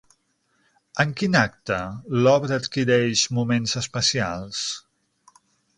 En quin acte l'obra adquireix moments especials?